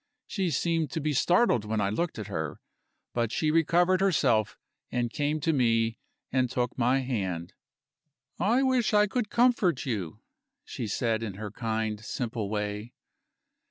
She seemed to be startled when I looked at her, but she recovered herself, and came to me, and took my hand. "I wish I could comfort you!" she said, in her kind simple way.